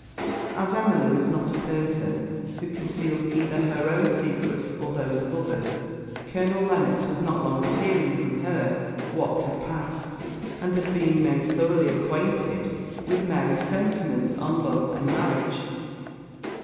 As Lady Emily was not a person who concealed either her own secrets or those of others, Colonel Lennox was not long of hearing from her what had passed, and of being made thoroughly acquainted with Mary's sentiments on love and marriage.